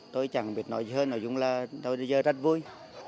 tôi chẳng biết nói hơn nói chung là tôi bây giờ rất vui